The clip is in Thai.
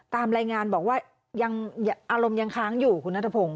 ตามรายงานบอกว่าอารมณ์ยังค้างอยู่คุณรัฐพรุ่ง